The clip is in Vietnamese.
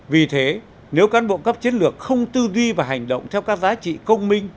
vì thế nếu cán bộ cấp chiến lược không tư duy và hành động theo các giá trị công minh